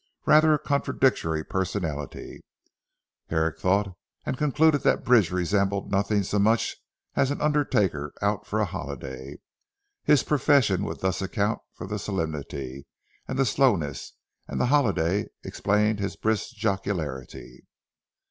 Rather a contradictory personality Herrick thought, and concluded that Bridge resembled nothing so much as an undertaker out for a holiday. His profession would thus account for the solemnity and slowness, and the holiday explain his brisk jocularity.